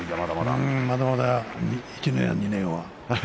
まだまだ１年や２年は。